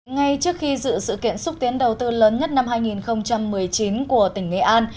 ngay trước khi dự sự kiện xúc tiến đầu tư lớn nhất năm hai nghìn một mươi chín của tỉnh nghệ an